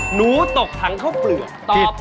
หนูตกถังข้าวเปลือก